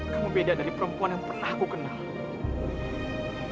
kamu beda dari perempuan yang pernah aku kenal